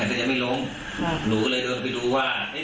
ไม่เห็นนะอ่าเสร็จแล้วอ่าแล้วหนูเห็นตอนไหนที่หนูบอกว่าเห็น